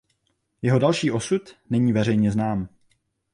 Jeho další osud není veřejně znám.